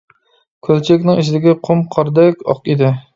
كۆلچەكنىڭ ئىچىدىكى قۇم قاردەك ئاق ئىدى.